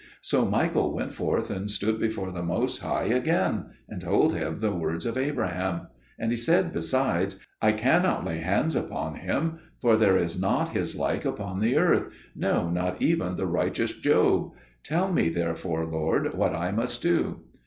So Michael went forth and stood before the Most High again and told him the words of Abraham; and he said besides, "I cannot lay hands upon him, for there is not his like upon the earth, no, not even the righteous Job. Tell me therefore, Lord, what I must do."